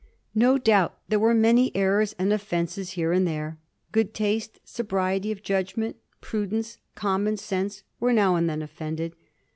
No doubt there were many errors and offences here and there. Oood taste, sobriety of judgment, prudence, common sense, were now and then offended.